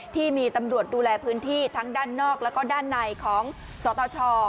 ที่มีตำรวจดูแลพื้นที่ทั้งด้านนอกแล้วก็ด้านในของสตช